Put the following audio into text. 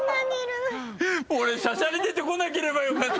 俺しゃしゃり出てこなければよかった！